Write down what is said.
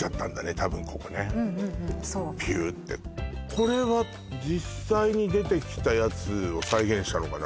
多分ここねうんうんうんそうピューってこれは実際に出てきたやつを再現したのかな